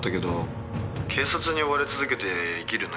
「警察に追われ続けて生きるの嫌だし」